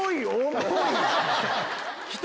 重い！